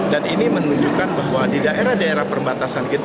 dan ini menunjukkan bahwa di daerah daerah perbatasan kita